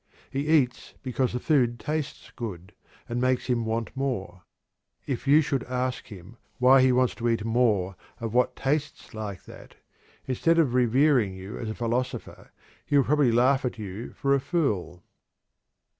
He eats because the food tastes good, and makes him want more. If you should ask him why he wants to eat more of what tastes like that, instead of revering you as a philosopher he will probably laugh at you for a fool."